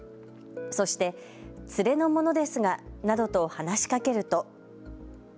そして連れの者ですがなどと話しかけると。